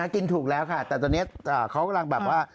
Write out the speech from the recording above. กินถูกแล้วค่ะแต่ตอนนี้เขากำลังแบบว่า